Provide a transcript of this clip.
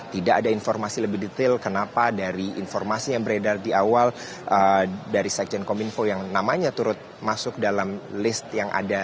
tidak ada informasi lebih detail kenapa dari informasi yang beredar di awal dari sekjen kominfo yang namanya turut masuk dalam list yang ada